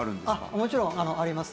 もちろんあります。